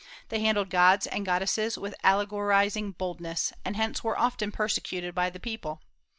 They handled gods and goddesses with allegorizing boldness, and hence were often persecuted by the people.